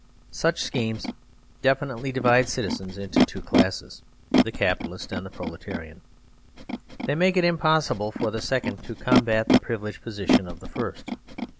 Such schemes definitely divide citizens into two classes, the Capitalist and the Proletarian. They make it impossible for the second to combat the privileged position of the first.